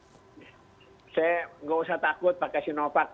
tidak usah takut pakai sinovac